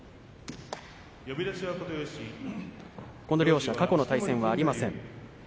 この両者、過去の対戦はありません。